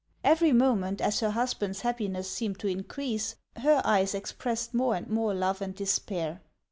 Every moment, as her husband's happiness seemed to in crease, her eyes expressed more and more love and despair.